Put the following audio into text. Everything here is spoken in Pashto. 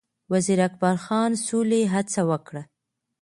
وزیر اکبرخان سولې هڅه وکړه